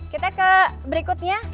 kita ke berikutnya